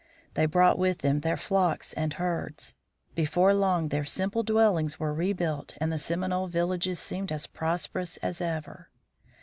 They brought with them their flocks and herds. Before long their simple dwellings were re built and the Seminole villages seemed as prosperous as ever.